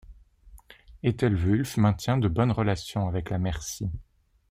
Æthelwulf maintient de bonnes relations avec la Mercie.